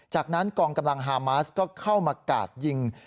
จากนั้นกองกำลังฮามาสก็เข้ามากาดยิง